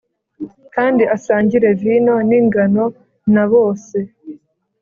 Kandi asangire vino ningano na bose